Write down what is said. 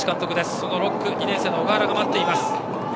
その６区、２年生の小河原が待っています。